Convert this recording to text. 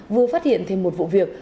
vừa phát hiện thêm một vụ việc